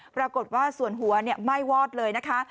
ปรากฏว่าส่วนหัวไม่้วอดเลยนะคะ